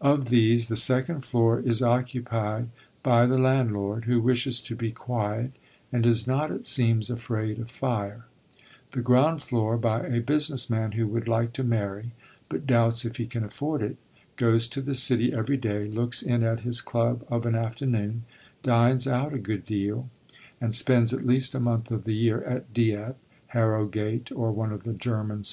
Of these the second floor is occupied by the landlord, who wishes to be quiet, and is not, it seems, afraid of fire; the ground floor by a business man who would like to marry, but doubts if he can afford it, goes to the city every day, looks in at his club of an afternoon, dines out a good deal, and spends at least a month of the year at Dieppe, Harrogate, or one of the German spas.